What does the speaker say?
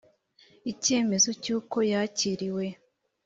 icyemezo cy uko yakiriwe